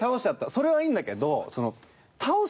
それはいいんだけど。